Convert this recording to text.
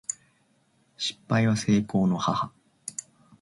失敗は成功の母